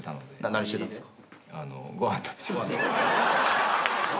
何してたんすか？